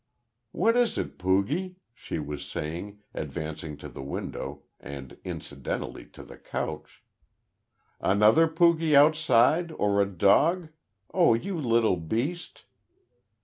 "What is it, poogie," she was saying, advancing to the window, and incidentally to the couch. "Another poogie outside or a dog Oh, you little beast!"